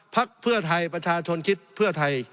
พักเพื่อไทยประชาชนคิดเพื่อไทย